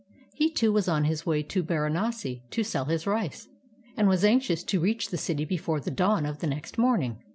He, too, was on his way to Baranasi to sell his rice, and was anxious to reach the city before the dawn of the next morning.